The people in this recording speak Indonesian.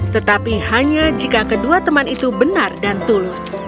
tetapi hanya jika kedua teman itu benar dan tulus